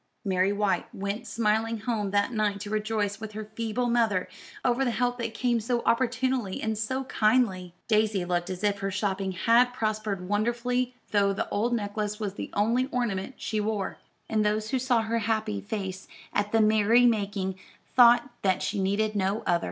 Mary White went smiling home that night to rejoice with her feeble mother over the help that came so opportunely and so kindly. Daisy looked as if her shopping had prospered wonderfully though the old necklace was the only ornament she wore; and those who saw her happy face at the merry making thought that she needed no other.